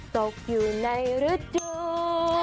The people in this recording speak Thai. ตกอยู่ในฤดู